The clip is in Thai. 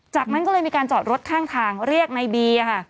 จากนั้นก็เลยมีการจอดรถข้างทางเรียกในบีค่ะ